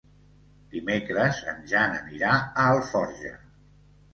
Dimecres en Jan anirà a Alforja.